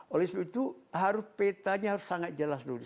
oleh sebab itu harus petanya harus sangat jelas dulu